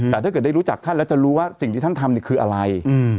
แต่ถ้าเกิดได้รู้จักท่านแล้วจะรู้ว่าสิ่งที่ท่านทำคืออะไร